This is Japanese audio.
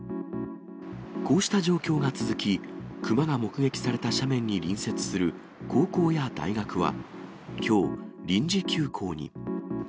こうした状況が続き、熊が目撃された斜面に隣接する高校や大学は、きょう、臨時休校に。